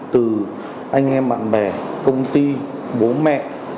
từ anh em bạn bè công ty bố mẹ